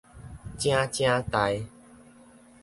汫汫代